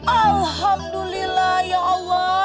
alhamdulillah ya allah